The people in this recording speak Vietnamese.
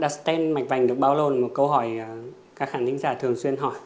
đặt stent mạch vành được bao lâu là một câu hỏi các khán giả thường xuyên hỏi